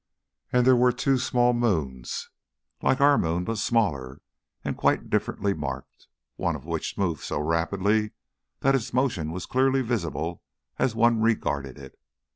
And there were two small moons! "like our moon but smaller, and quite differently marked" one of which moved so rapidly that its motion was clearly visible as one regarded it.